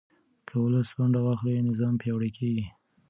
که ولس ونډه واخلي، نظام پیاوړی کېږي.